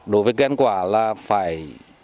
đối với ghen quả là phải